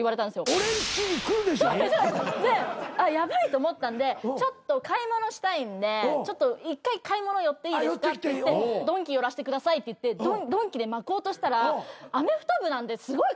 「俺んちに来るでしょ？」でヤバいと思ったんでちょっと買い物したいんで一回買い物寄っていいですかってドンキ寄らしてくださいって言ってドンキでまこうとしたらアメフト部なんですごい